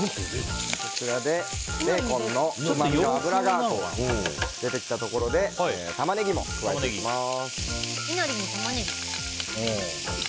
ベーコンのうまみの脂が出てきたところでタマネギも加えていきます。